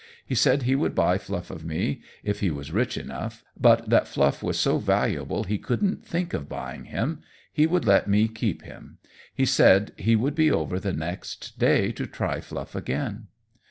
He said he would buy Fluff of me if he was rich enough, but that Fluff was so valuable he couldn't think of buying him. He would let me keep him. He said he would be over the next day to try Fluff again.